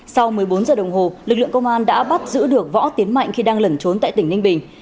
sau một mươi bốn giờ đồng hồ lực lượng công an đã bắt giữ được võ tiến mạnh khi đang lẩn trốn tại tỉnh ninh bình